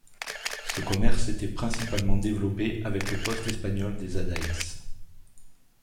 Ce commerce était principalement développé avec le poste espagnol des Adayes.